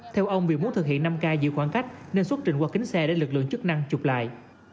theo ông vì muốn thực hiện năm k giữ khoảng cách nên xuất trình qua kính xe để lực lượng chức năng chụp lại